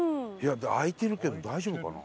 開いてるけど大丈夫かな？